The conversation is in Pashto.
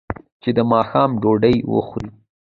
چې د ماښام ډوډۍ وخوري.